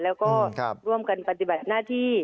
แล้วก็ร่วมกันปฏิบัติหน้าที่